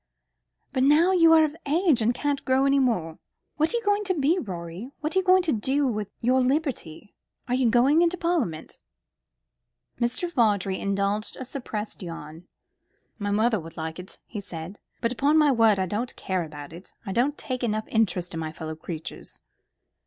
"But now you are of age, and can't grow any more. What are you going to be, Rorie? What are you going to do with your liberty? Are you going into Parliament?" Mr. Vawdrey indulged in a suppressed yawn. "My mother would like it," he said, "but upon my word I don't care about it. I don't take enough interest in my fellow creatures."